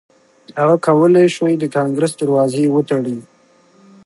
هغه کولای شوای د کانګریس دروازې وتړي.